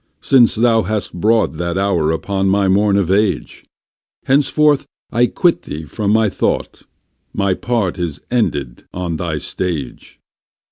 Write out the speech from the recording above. since thou hast brought That hour upon my morn of age; Henceforth I quit thee from my thought, My part is ended on thy stage.